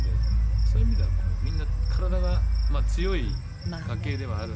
そういう意味ではみんな体が強い家系ではあるんだと思うんですけどね。